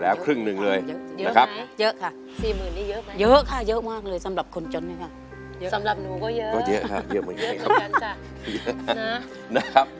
๔๐๐๐๐แล้วครึ่งนึงเลยนะครับอเรนนี่ร้องสำหรับผู้คนจนก็ได้